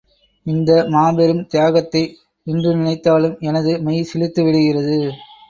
இந்த மாபெரும் தியாகத்தை இன்று நினைத்தாலும் எனது மெய் சிலிர்த்துவிடுகிறது.